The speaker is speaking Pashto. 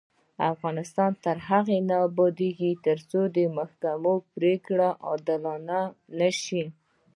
افغانستان تر هغو نه ابادیږي، ترڅو د محاکمو پریکړې عادلانه نشي.